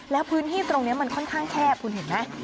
แล้วพื้นที่ตรงนี้มันค่อนข้างแคบคุณเห็นไหม